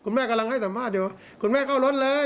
คุณแม่กำลังให้สัมภาษณ์เดี๋ยวคุณแม่เข้ารถเลย